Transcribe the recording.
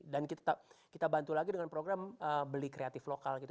dan kita bantu lagi dengan program beli kreatif lokal gitu